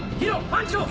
班長！